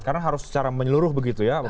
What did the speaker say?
karena harus secara menyeluruh begitu ya